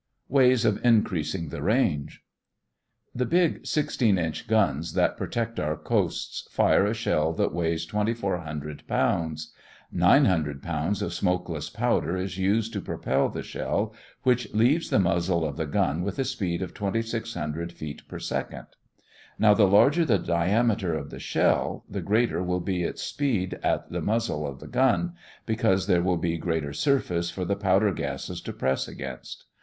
WAYS OF INCREASING THE RANGE The big 16 inch guns that protect our coasts fire a shell that weighs 2,400 pounds. Nine hundred pounds of smokeless powder is used to propel the shell, which leaves the muzzle of the gun with a speed of 2,600 feet per second. Now, the larger the diameter of the shell, the greater will be its speed at the muzzle of the gun, because there will be a greater surface for the powder gases to press against.